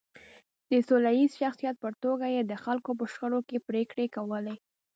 د سوله ییز شخصیت په توګه یې د خلکو په شخړو کې پرېکړې کولې.